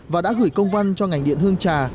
và đã gửi công văn cho ngành điện hương trà